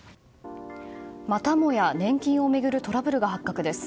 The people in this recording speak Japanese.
またもや年金を巡るトラブルが発覚です。